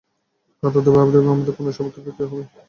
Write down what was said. কাতার, Dubai, Abu Dhabi আমাদের পণ্য সর্বত্র বিক্রি হবে।